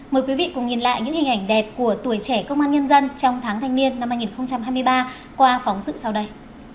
mời quý vị cùng nhìn lại những hình ảnh đẹp của tuổi trẻ công an nhân dân trong tháng thanh niên năm hai nghìn hai mươi ba qua phóng sự sau đây